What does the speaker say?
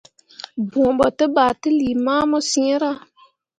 Bõo ɓo te ba teli mamu ciira.